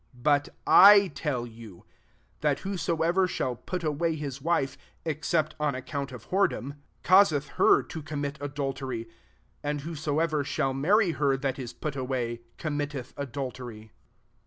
32 But I t*U you, that whosoever shall put away his wife, except on accmmt of whoredom, causeUi her to MATTHEW VL 31 ccMiimit adultery : vokd whoso ever shall marry h^ that is put away, committeth adultery.